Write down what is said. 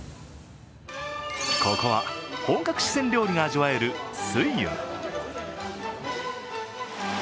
ここは本格四川料理が味わえる翠雲。